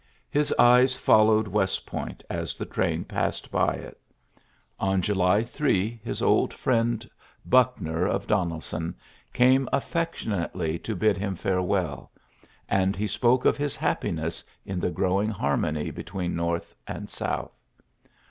His eyes followed West Point as the train passed by it. On ULYSSES S. GRANT 139 JtQy 3 his old Mend Buckner, of Donel son, came affectionately to bid Mm fare well 5 and he spoke of his happiness in the growing harmony between N'orth and South.